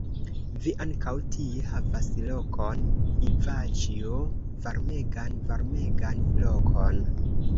Vi ankaŭ tie havas lokon, Ivaĉjo, varmegan, varmegan lokon!